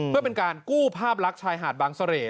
เพื่อเป็นการกู้ภาพลักษณ์ชายหาดบางเสร่